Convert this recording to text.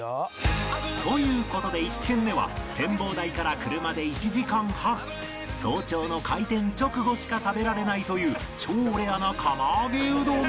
という事で１軒目は展望台から車で１時間半早朝の開店直後しか食べられないという超レアな釜揚げうどん